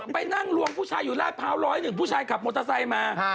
ไปนั่งลวงผู้ชายอยู่ละพ้าร้อยหนึ่งผู้ชายขับมอเตอร์ไซน์มา